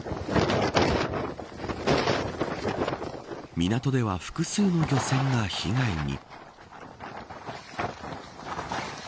港では複数の漁船が被害に。